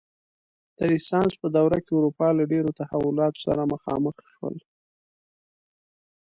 د رنسانس په دوره کې اروپا له ډېرو تحولاتو سره مخامخ شول.